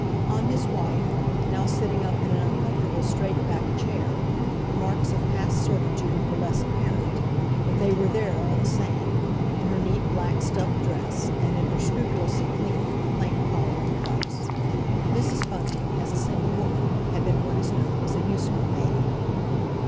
On his wife, now sitting up in an uncomfortable straight backed chair, the marks of past servitude were less apparent; but they were there all the same—in her neat black stuff dress, and in her scrupulously clean, plain collar and cuffs. Mrs. Bunting, as a single woman, had been what is known as a useful maid.